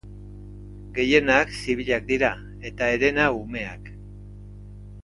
Gehienak zibilak dira, eta herena umeak.